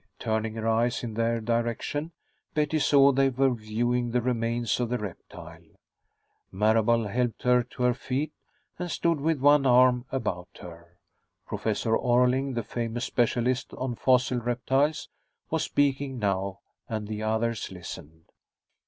Turning her eyes in their direction, Betty saw they were viewing the remains of the reptile. Marable helped her to her feet, and stood with one arm about her. Professor Orling, the famous specialist on fossil reptiles, was speaking now, and the others listened.